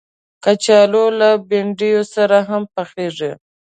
کچالو له بنډیو سره هم پخېږي